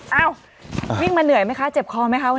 เอาอ้าววิ่งมันเหนื่อยไหมค่ะเจ็บคอไหมค่ะวันนี้